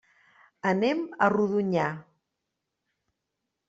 Anem a Rodonyà.